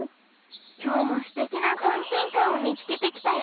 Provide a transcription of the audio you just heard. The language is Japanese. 今日もすてきなトンチンカンを見つけてきたよ。